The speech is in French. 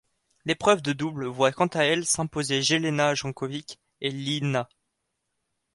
L'épreuve de double voit quant à elle s'imposer Jelena Janković et Li Na.